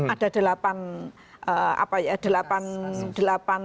ada delapan apa ya delapan delapan